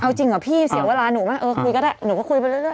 เอาจริงเหรอพี่เสียเวลาหนูไหมเออคุยก็ได้หนูก็คุยไปเรื่อย